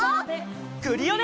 クリオネ！